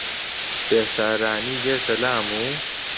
بێسارانی دێتە لام و